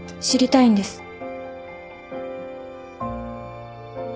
知りたいんです。